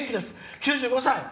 ９５歳」。